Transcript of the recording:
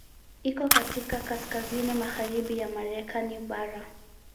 Iko katika kaskazini magharibi ya Marekani bara.